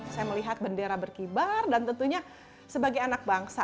saya melihat bendera berkibar dan tentunya sebagai anak bangsa